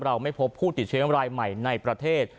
ไม่พบผู้ติดเชื้อรายใหม่ในประเทศ